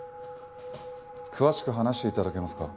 詳しく話して頂けますか？